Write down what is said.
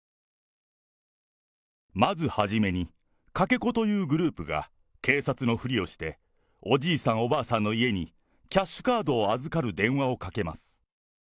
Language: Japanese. まず初めに、掛け子というグループが警察のふりをして、おじいさん、おばあさんの家にキャッシュカードを預かる電話をかけます。